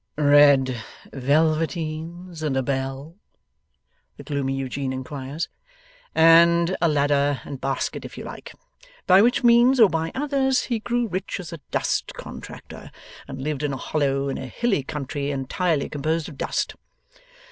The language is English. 'Red velveteens and a bell?' the gloomy Eugene inquires. 'And a ladder and basket if you like. By which means, or by others, he grew rich as a Dust Contractor, and lived in a hollow in a hilly country entirely composed of Dust.